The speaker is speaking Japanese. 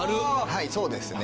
はいそうですね。